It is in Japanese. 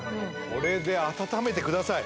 これで温めてください